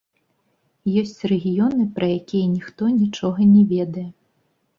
Ёсць рэгіёны, пра якія ніхто нічога не ведае.